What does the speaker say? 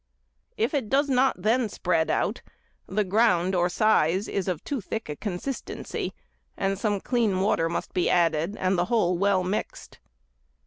If it does not then spread out, the ground or size is of too thick consistency, and some clean water must be added, and the whole well mixed.